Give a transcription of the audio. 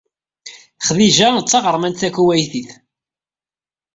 Xdija d taɣermant takuwaytit.